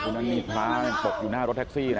นั่นนี่ฟามันตกอยู่หน้ารถแท็กซี่น่ะ